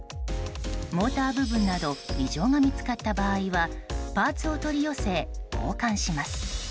モーター部分など異常が見つかった場合はパーツを取り寄せ交換します。